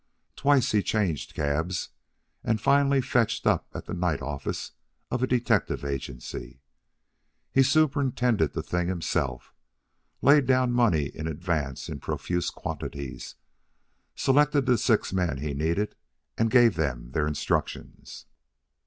Twice he changed cabs, and finally fetched up at the night office of a detective agency. He superintended the thing himself, laid down money in advance in profuse quantities, selected the six men he needed, and gave them their instructions.